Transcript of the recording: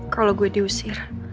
kalau gue diusir